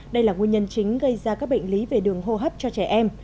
đây là nguyên nhân chính gây ra các bệnh lý về đường hô hấp cho trẻ em